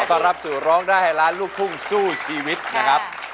ต้อนรับสู่ร้องได้ให้ล้านลูกทุ่งสู้ชีวิตนะครับ